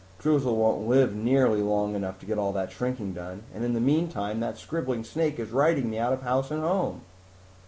"Droozle won't live nearly long enough to get all of that shrinking done. And in the meantime that scribbling snake is writing me out of house and home!"